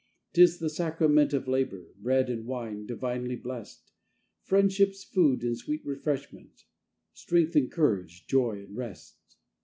'Tis the sacrament of labour, bread and wine divinely blest; Friendship's food and sweet refreshment, strength and courage, joy and rest.